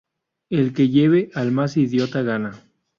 El que lleve al más idiota, gana.